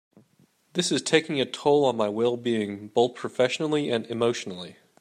This is taking a toll on my well-being both professionally and emotionally.